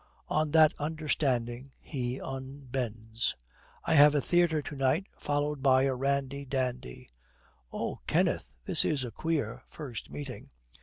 On that understanding he unbends. 'I have a theatre to night, followed by a randy dandy.' 'Oho! Kenneth, this is a queer first meeting!'